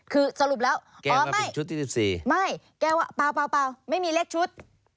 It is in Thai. คือสรุปแล้วอ๋อไม่ชุดที่๑๔ไม่แกว่าเปล่าไม่มีเลขชุด